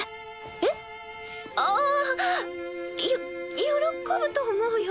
えっ？ああよ喜ぶと思うよ。